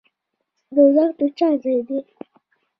دوزخ د چا ځای دی؟